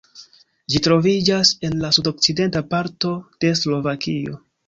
Ĝi troviĝas en la sudokcidenta parto de Slovakio.